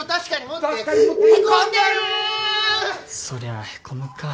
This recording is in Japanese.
そりゃへこむか。